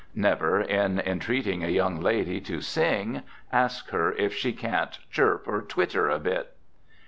Never, in entreating a young lady to sing, ask her if she can't chirp or twitter a bit.